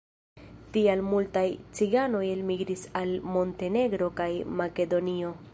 Tial multaj ciganoj elmigris al Montenegro kaj Makedonio.